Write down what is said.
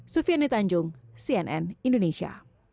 sufiane tanjung cnn indonesia